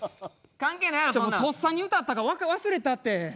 とっさに歌ったから忘れたって。